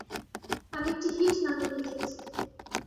আমি একটি হিট নাটক লিখেছি!